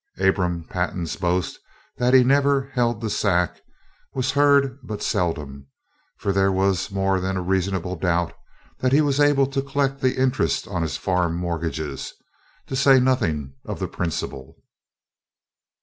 Abram Pantin's boast that he never "held the sack" was heard but seldom, for there was more than a reasonable doubt that he was able to collect the interest on his farm mortgages, to say nothing of the principal.